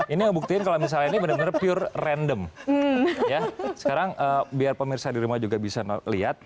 ini buktiin kalau misalnya mere humidity rendem ya sekarang biar pemirsa dirumah juga bisa lihat